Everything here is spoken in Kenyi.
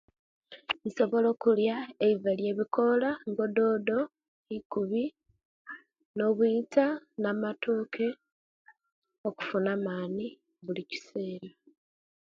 Nsobola okulya eiva lyebikoola nga doodo, ikubi, no'bwita na'matooke okufuna amaani bulikisera